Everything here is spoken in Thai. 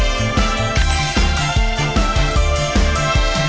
สวัสดีค่ะ